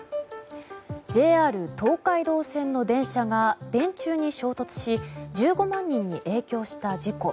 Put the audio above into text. ＪＲ東海道線の電車が電柱に衝突し１５万人に影響した事故。